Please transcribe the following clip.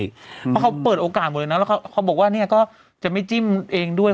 เพราะเขาเปิดโอกาสหมดเลยนะแล้วเขาบอกว่าเนี่ยก็จะไม่จิ้มเองด้วย